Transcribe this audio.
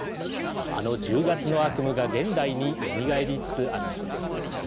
あの１０月の悪夢が現代によみがえりつつあるのです。